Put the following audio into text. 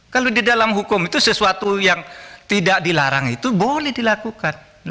kalau di dalam hukum itu sesuatu yang tidak dilarang itu boleh dilakukan